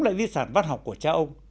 lại lý sản văn học của cha ông